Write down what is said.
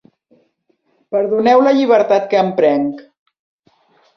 Perdoneu la llibertat que em prenc.